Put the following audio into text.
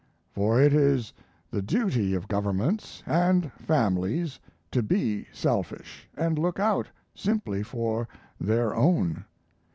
For it is the duty of governments and families to be selfish, and look out simply for their own.